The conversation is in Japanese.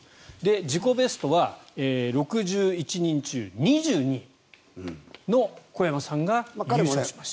自己ベストは６１人中２２位の小山さんが優勝しました。